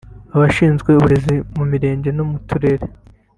Abashinzwe uburezi mu Mirenge no mu Turere